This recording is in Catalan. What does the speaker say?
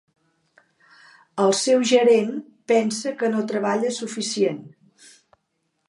El seu gerent pensa que no treballa suficient.